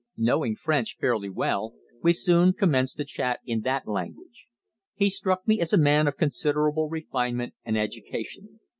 Knowing French fairly well we soon commenced to chat in that language. He struck me as a man of considerable refinement and education.